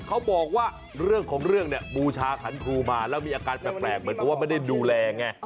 เขาบอกว่าเรื่องของเรื่องเนี่ยบูชาขันครูมาแล้วมีอาการแปลกเหมือนกับว่าไม่ได้ดูแลไง